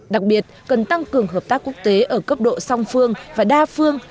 đặc biệt cần tăng cường hợp tác quốc tế ở cấp độ song phương và đa phương